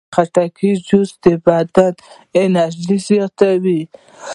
د خټکي جوس د بدن انرژي زیاتوي.